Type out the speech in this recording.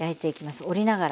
折りながら。